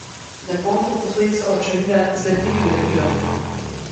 Napolnite posodico od črnila z lepljivim lepilom.